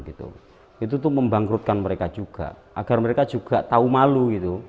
itu tuh membangkrutkan mereka juga agar mereka juga tahu malu gitu